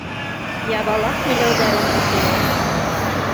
Ябалаҡ һөйләүҙәрен үтенә.